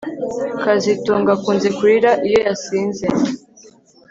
kazitunga akunze kurira iyo yasinze